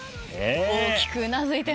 大きくうなずいてます。